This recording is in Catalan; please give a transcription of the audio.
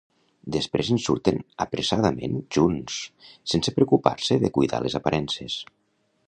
Després en surten apressadament, junts, sense preocupar-se de cuidar les aparences.